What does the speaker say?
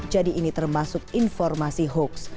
jadi ini termasuk informasi hoax